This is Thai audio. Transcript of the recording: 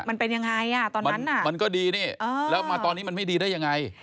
มันเป็นยังไงอ่ะตอนนั้นน่ะมันก็ดีนี่แล้วมาตอนนี้มันไม่ดีได้ยังไง